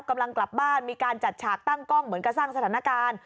กำลังกลับบ้านมีการจัดฉากตั้งกล้องเหมือนกับสร้างสถานการณ์